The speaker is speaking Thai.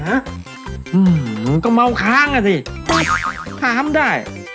หือก็เมาค้างอะสิพับท้ามได้